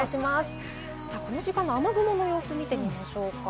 この時間の雨雲の様子を見てみましょうか。